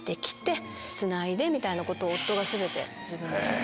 みたいなことを夫が全て自分で。